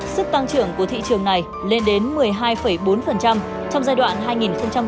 sức tăng trưởng của thị trường này lên đến một mươi hai bốn trong giai đoạn hai nghìn một mươi sáu hai nghìn hai mươi